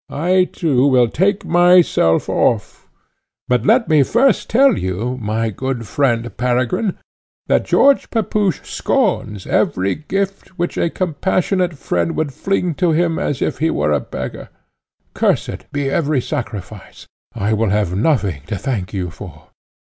I too will take myself off; but let me first tell you, my good friend, Peregrine, that George Pepusch scorns every gift which a compassionate friend would fling to him as if he were a beggar. Cursed be every sacrifice! I will have nothing to thank you for.